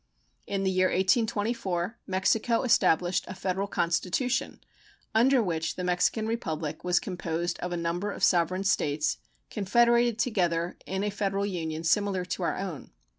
In the year 1824 Mexico established a federal constitution, under which the Mexican Republic was composed of a number of sovereign States confederated together in a federal union similar to our own.